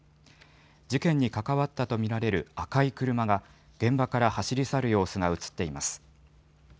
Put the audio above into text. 事件に関わったと見られる赤い車が、現場から走り去る様子が写っています。